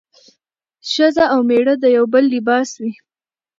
ښځه او مېړه د يو بل لباس وي